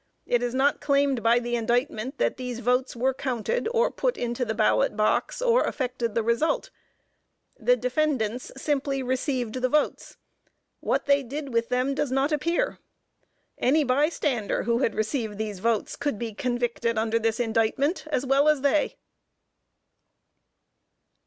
It is not claimed by the indictment that these votes were counted or put into the ballot box or affected the result. The defendants simply received the votes. What they did with them, does not appear. Any bystander, who had received these votes, could be convicted under this indictment as well as they.